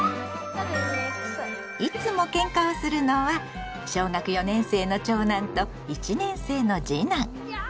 いつもケンカをするのは小学４年生の長男と１年生の次男。